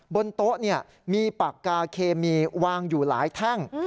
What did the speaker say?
บนโต๊ะมีปากกาเคมีวางอยู่หลายแท่ง